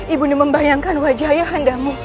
ibu mbak membayangkan wajah ayah anda